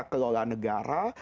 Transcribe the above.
kekuatan kelelahan negara